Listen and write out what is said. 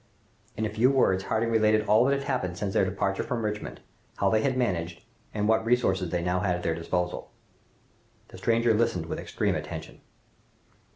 In a few words Harding related all that had happened since their departure from Richmond; how they had managed, and what resources they now had at their disposal. The stranger listened with extreme attention.